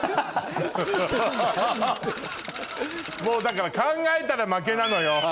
もうだから考えたら負けなのよ。